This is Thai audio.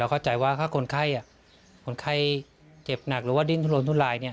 เข้าใจว่าถ้าคนไข้คนไข้เจ็บหนักหรือว่าดิ้นทุรนทุลาย